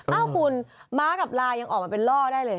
เอ้าคุณม้ากับลายยังออกมาเป็นล่อได้เลย